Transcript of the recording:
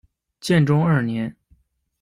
建中二年。